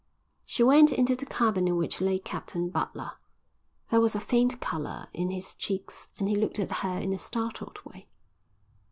She went into the cabin in which lay Captain Butler. There was a faint colour in his cheeks and he looked at her in a startled way.